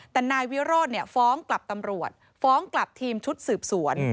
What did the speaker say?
แต่นายวิโรธฟ้องกลับตำรวจฟ้องกลับทีมชุดสืบสวน